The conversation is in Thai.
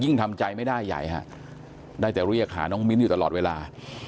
ทำใจไม่ได้ใหญ่ฮะได้แต่เรียกหาน้องมิ้นอยู่ตลอดเวลา